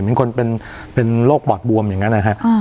เหมือนคนเป็นโรคปอดบวมอย่างนั้น